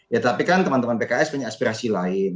ya tapi kan teman teman pks punya aspirasi lain